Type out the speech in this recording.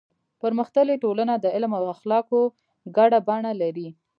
پرمختللې ټولنه د علم او اخلاقو ګډه بڼه لري.